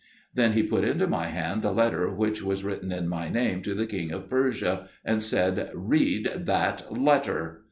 Then he put into my hand the letter which was written in my name to the king of Persia, and said, "Read that letter."